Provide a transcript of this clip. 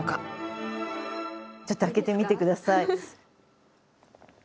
ちょっと開けてみてください。